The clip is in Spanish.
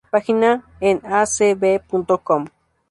Página en acb.com